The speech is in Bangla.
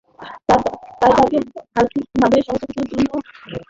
তাই তাকে আর্থিকভবে সহযোগিতা করার জন্য শাহাদতদের কিছু টাকা দিতে বলেছি।